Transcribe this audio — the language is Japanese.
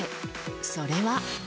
それは。